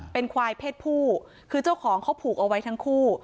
เป็นควายเพศผู้คือเจ้าของเขาผูกเอาไว้ทั้งคู่